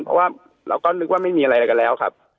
เพราะว่าเราก็นึกว่าไม่มีอะไรอะไรกันแล้วครับ